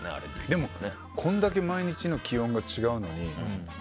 でも、これだけ毎日の気温が違うのに。